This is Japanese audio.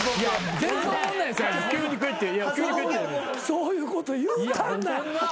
そういうこと言うたんな。